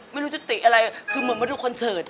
ไม่รู้จะติอะไรคือเหมือนมาดูคอนเสิร์ต